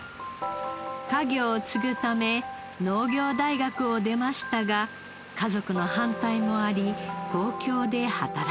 家業を継ぐため農業大学を出ましたが家族の反対もあり東京で働いていました。